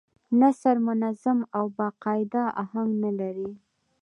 نثر منظم او با قاعده اهنګ نه لري.